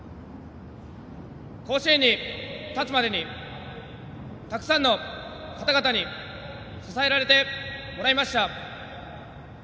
甲子園に立つまでにたくさんの方々に支えられてもらいました。